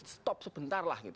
stop sebentar lah